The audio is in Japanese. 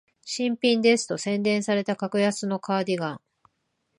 新品ですと宣伝された格安のカーディガン